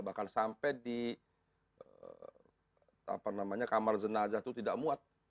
bahkan sampai di kamar jenazah itu tidak muat